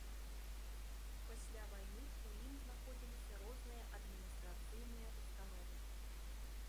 Пасля вайны ў ім знаходзіліся розныя адміністрацыйныя ўстановы.